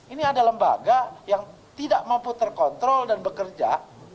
ini ada lembaga yang tidak mampu terkontrol dan bekerja